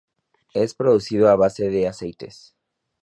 Es producido a base de aceites.